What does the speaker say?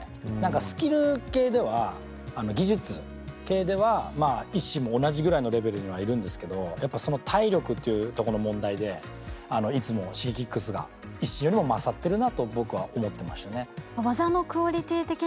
スキル系では技術系ではＩＳＳＩＮも同じぐらいのレベルにはいるんですけどやっぱ体力っていうとこの問題でいつもＳｈｉｇｅｋｉｘがＩＳＳＩＮよりも勝ってるなと僕は思ってましたね。